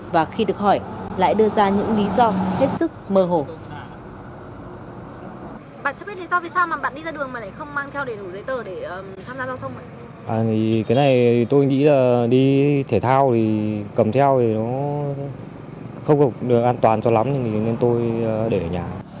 và khi được hỏi lại đưa ra những lý do hết sức mơ hồ